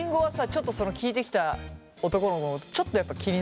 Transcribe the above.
ちょっとその聞いてきた男の子のことちょっとやっぱ気になった？